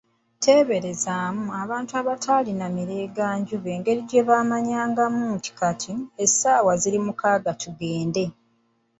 Teeberezaamu abantu abataalina mirenganjuba engeri gye baamanyangamu nti, essaawa kati ziri mukaaga tugende!